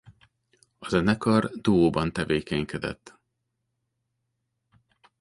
A zenekar duóban tevékenykedett.